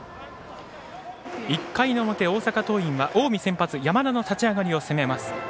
１回の表、大阪桐蔭は近江の先発山田の立ち上がりを攻めます。